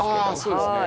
そうですね